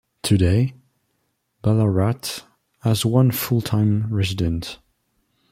Today, Ballarat has one full-time resident.